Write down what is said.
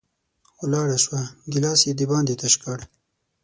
ولاړه شوه، ګېلاس یې د باندې تش کړ